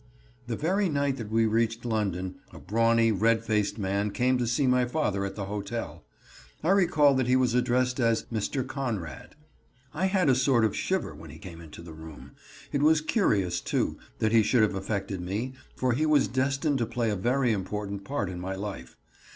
The very night that we reached London a brawny, red faced man came to see my father at the hotel. I recall that he was addressed as "Mr. Conrad." I had a sort of shiver when he came into the room. It was curious, too, how he should have affected me, for he was destined to play a very important part in my life.